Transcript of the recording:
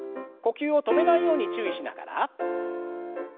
呼吸を止めないように注意しながら。